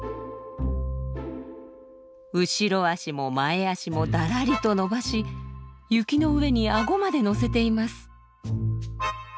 後ろ足も前足もだらりと伸ばし雪の上にアゴまで乗せています。